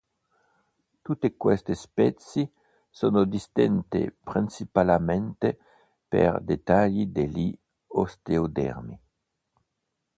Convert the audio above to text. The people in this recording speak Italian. Tutte queste specie sono distinte principalmente per dettagli degli osteodermi.